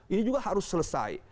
ini juga harus selesai